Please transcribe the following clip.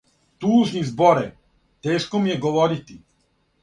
Тужни Зборе! Тешко ми je говорити!